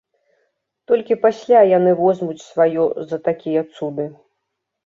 Толькі пасля яны возьмуць сваё за такія цуды.